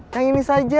yang ini saja